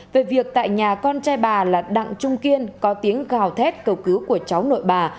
về việc tại nhà con trai bà là đặng trung kiên có tiếng gào thét cầu cứu của cháu nội bà